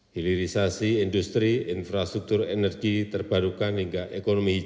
hilirisasi industri infrastruktur energi terbarukan hingga ekonomi hijau